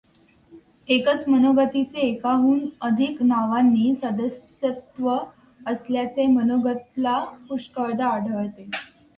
एकाच मनोगतीचे एकाहून अधिक नावांनी सदस्यत्व असल्याचे मनोगतला पुष्कळदा आढळते.